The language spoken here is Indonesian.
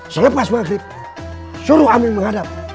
selepas maghrib suruh aming menghadap